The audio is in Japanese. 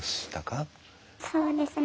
そうですね。